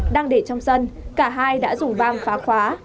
đang để trong sân cả hai đã dùng băng phá khóa